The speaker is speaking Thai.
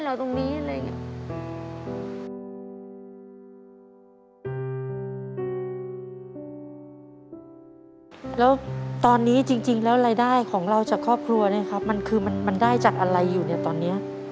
แล้วตอนนี้จริงแล้วรายได้ของเราจากครอบครัวเนี่ยครับมันคือมันได้จากอะไรอยู่เนี่ยตอนนี้